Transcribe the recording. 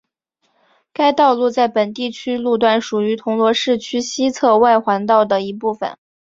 该道路在本地区路段属于铜锣市区西侧外环道的一部分。